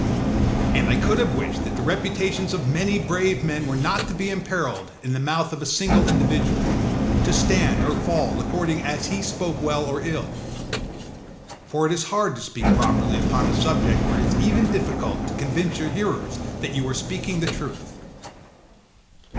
And I could have wished that the reputations of many brave men were not to be imperilled in the mouth of a single individual, to stand or fall according as he spoke well or ill. For it is hard to speak properly upon a subject where it is even difficult to convince your hearers that you are speaking the truth.